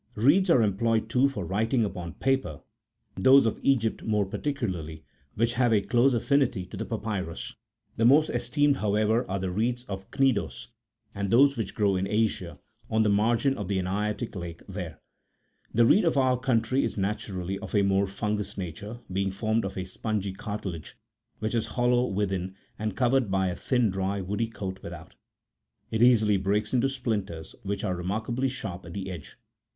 Reeds are employed, too, for writing upon paper, those of Egypt more particularly, which have a close affinity to the papyrus : the most esteemed, how ever, are the reeds of Cnidos, and those which grow in Asia, on the margin of the Anaitic Lake 2i there. The reed of our country is naturally of a more fungous nature, being formed of a spongy cartilage, which is hollow within, and covered by a thin, dry, woody coat without ; it easily breaks into splinters, which are remarkably sharp at the edge.